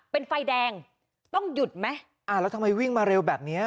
เป็นไฟแดงต้องหยุดไหมอ่าแล้วทำไมวิ่งมาเร็วแบบเนี้ย